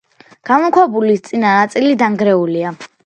გამოქვაბულის წინა ნაწილი დანგრეულია.